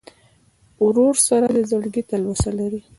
ورور سره د زړګي تلوسه لرې.